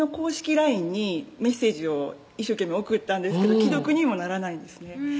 ＬＩＮＥにメッセージを一生懸命送ったんですけど既読にもならないんですね